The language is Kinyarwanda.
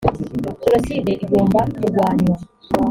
genocide igomba kurwanywa .